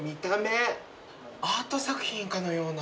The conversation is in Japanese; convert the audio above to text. アート作品かのような。